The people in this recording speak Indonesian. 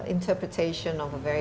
interpretasi yang modern